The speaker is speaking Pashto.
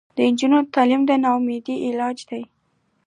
د نجونو تعلیم د ناامیدۍ علاج دی.